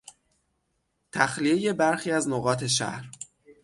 تخلیهی برخی از نقاط شهر